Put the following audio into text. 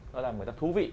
nó làm người ta thú vị